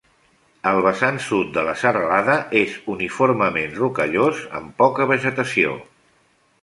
El vessant sud de la serralada és uniformement rocallós, amb poca vegetació.